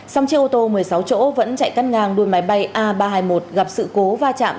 song chiếc ô tô một mươi sáu chỗ vẫn chạy cắt ngang đôi máy bay a ba trăm hai mươi một gặp sự cố va chạm